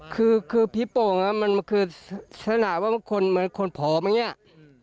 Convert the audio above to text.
คือพีโป่งมันคือสถานะว่าเหมือนคนผอบังเงียบ